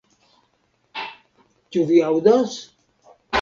Ĉu vi aŭdas?